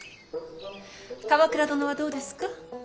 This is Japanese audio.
鎌倉殿はどうですか。